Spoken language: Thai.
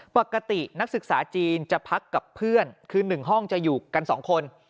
ปกตินักศึกษาจีนจะพักกับเพื่อนคือ๑ห้องจะอยู่กัน๒คน